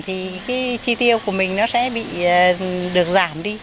thì cái chi tiêu của mình nó sẽ bị được giảm đi